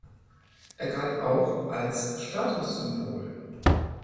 Er galt auch als Statussymbol.